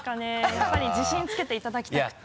やっぱり自信つけていただきたくて。